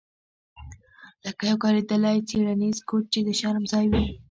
لکه یو کاریدلی څیړنیز کوچ چې د شرم ځای وي